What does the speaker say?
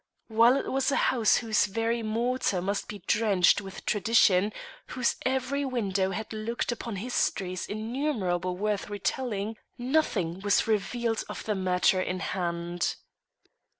While it was a house whose very mortar must be drenched with tradition, whose every window had looked upon histories innumerable worth retelling, nothing was revealed of the matter in hand.